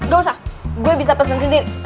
gak usah gue bisa pesen sendiri